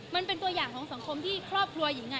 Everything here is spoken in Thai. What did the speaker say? มันเป็นตัวอย่างของสังคมที่ครอบครัวหญิง